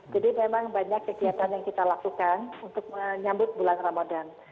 jadi memang banyak kegiatan yang kita lakukan untuk menyambut bulan ramadhan